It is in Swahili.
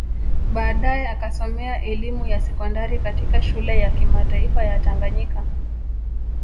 Baadae akasomea elimu ya sekondari katika Shule ya Kimataifa ya Tanganyika